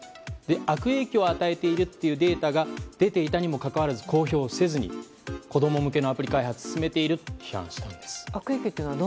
悪影響を与えているというデータが出ていたにもかかわらず公表せずに子供向けのアプリ開発を進めていると批判したんです。